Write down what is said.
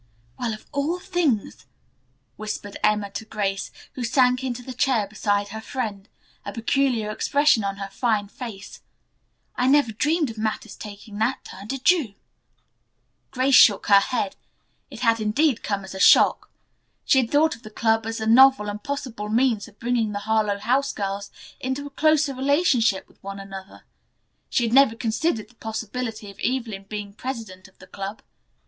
"Well, of all things," whispered Emma to Grace, who sank into the chair beside her friend, a peculiar expression on her fine face. "I never dreamed of matters taking that turn, did you?" Grace shook her head. It had indeed come as a shock. She had thought of the club as a novel and possible means of bringing the Harlowe House girls into a closer relationship with one another. She had never considered the possibility of Evelyn being president of the club.